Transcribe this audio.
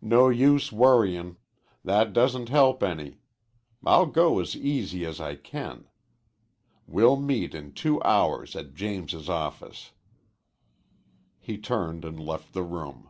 "No use worryin'. That doesn't help any. I'll go as easy as I can. We'll meet in two hours at James's office." He turned and left the room.